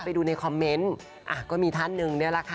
ไปดูในคอมเมนต์อ่ะก็มีท่านหนึ่งเนี่ยแหละค่ะ